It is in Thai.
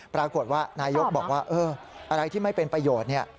ปรากฏว่านายกบอกว่าอะไรที่ไม่เป็นประโยชน์เนี่ย